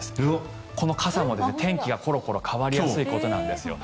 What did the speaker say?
この傘も天気がころころ変わりやすいということなんです